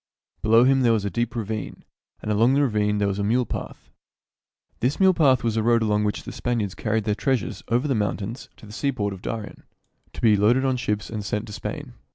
Below him there was a deep ravine, and along the ravine there was a mule path. This mule path was the road along which the Span iards carried their treasures over the mountains to the seaport of Darien, to be loaded on ships and sent to Spain.